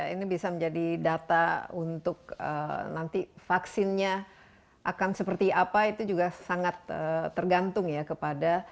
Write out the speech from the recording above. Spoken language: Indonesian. ini bisa menjadi data untuk nanti vaksinnya akan seperti apa itu juga sangat tergantung ya kepada